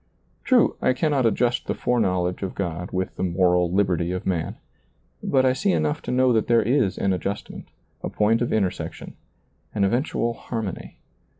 True, I cannot adjust the foreknowledge of God with the moral liberty of man ; but I see enough to know that there is an adjustment, a point of intersection, an eventual harmony.